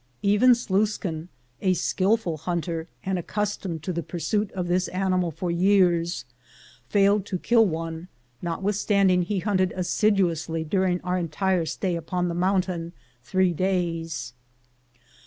Even Sluiskin, a skillful hunter and accus tomed to the pursuit of this animal for years, failed to kill one, notwithstanding he hunted assiduously during 124 FIBST SUCCESSFUL ASCENT, 1870 our entire stay upon the mountain, three days.